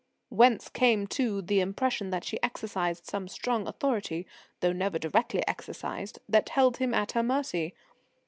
Whence came, too, the impression that she exercised some strong authority, though never directly exercised, that held him at her mercy?